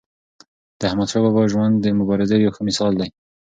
د احمدشاه بابا ژوند د مبارزې یو ښه مثال دی.